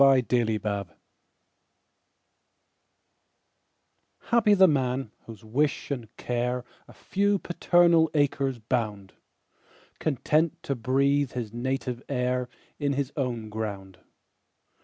Y Z Solitude HAPPY the man, whose wish and care A few paternal acres bound, Content to breathe his native air In his own ground.